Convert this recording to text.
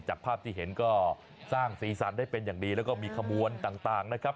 จากภาพที่เห็นก็สร้างสีสันได้เป็นอย่างดีแล้วก็มีขบวนต่างนะครับ